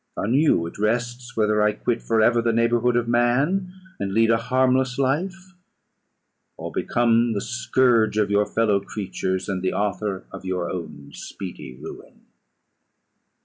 On you it rests, whether I quit for ever the neighbourhood of man, and lead a harmless life, or become the scourge of your fellow creatures, and the author of your own speedy ruin."